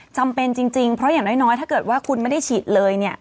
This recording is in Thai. จำเป็นจริงเพราะอย่างน้อยถ้าเกิดว่าคุณไม่ได้ฉีดเลย